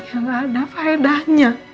yang gak ada fayadahnya